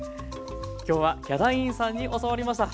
今日はヒャダインさんに教わりました。